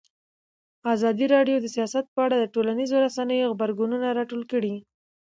ازادي راډیو د سیاست په اړه د ټولنیزو رسنیو غبرګونونه راټول کړي.